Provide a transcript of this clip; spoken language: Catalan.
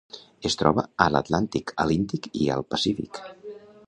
Es troba a l'Atlàntic, a l'Índic i al Pacífic.